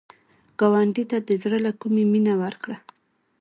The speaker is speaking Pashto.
ګاونډي ته د زړه له کومي مینه ورکړه